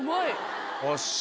よし。